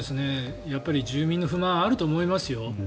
住民の不満はあると思いますよ。